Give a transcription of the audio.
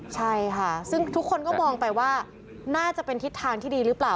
ใช่ค่ะซึ่งทุกคนก็มองไปว่าน่าจะเป็นทิศทางที่ดีหรือเปล่า